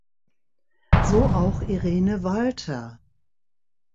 So auch Irene Walther.